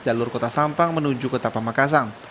jalur kota sampang menuju ke tapa makassar